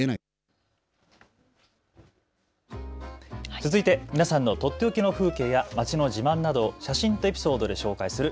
続いて皆さんのとっておきの風景や街の自慢などを写真とエピソードで紹介する＃